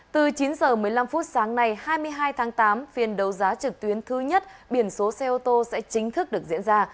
từ chín h một mươi năm phút sáng nay hai mươi hai tháng tám phiên đấu giá trực tuyến thứ nhất biển số xe ô tô sẽ chính thức được diễn ra